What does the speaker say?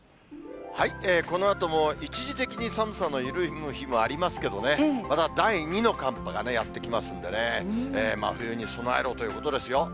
このあとも一時的に寒さの緩む日もありますけどね、また第２の寒波がね、やって来ますのでね、真冬に備えろということですよ。